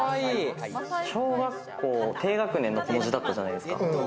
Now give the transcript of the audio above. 小学校低学年の子の字だったじゃないですか。